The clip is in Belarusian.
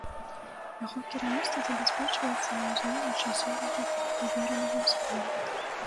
Яго кіраўніцтва забяспечваецца на ўзроўні часовага паверанага ў справах.